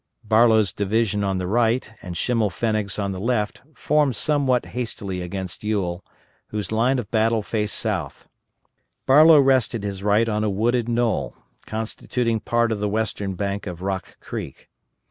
Barlow's division on the right and Schimmelpfennig's on the left, formed somewhat hastily against Ewell, whose line of battle faced south. Barlow rested his right on a wooded knoll, constituting part of the western bank of Rock Creek.